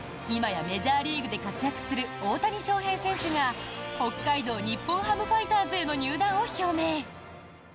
今やメジャーリーグで活躍する大谷翔平選手が北海道日本ハムファイターズへの入団を表明。